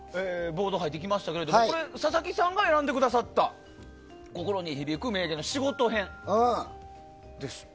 ボード入ってきましたけど佐々木さんが選んでくださった心に響く名言、仕事編。